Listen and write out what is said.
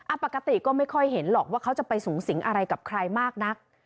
ปกติก็ไม่ค่อยเห็นหรอกว่าเขาจะไปสูงสิงอะไรกับใครมากนัก